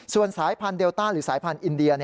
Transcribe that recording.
ส่วนสายพันธุเดลต้าหรือสายพันธุ์อินเดีย